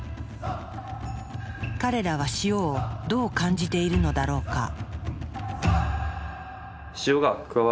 彼らは塩をどう感じているのだろうか？